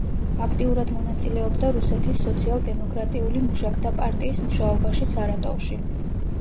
აქტიურად მონაწილეობდა რუსეთის სოციალ-დემოკრატიული მუშაკთა პარტიის მუშაობაში სარატოვში.